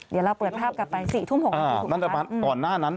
เดี๋ยวเราเปิดภาพกลับไป๔๓๖นาทีถูกครับ